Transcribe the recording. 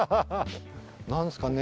なんですかね？